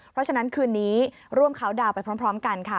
เพราะฉะนั้นคืนนี้ร่วมคาวดาวนไปพร้อมกันค่ะ